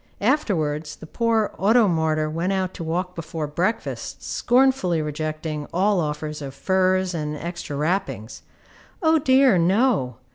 Afterwards the poor auto martyr went out to walk before breakfast, scornfully rejecting all offers of furs and extra wrappings. O dear, no!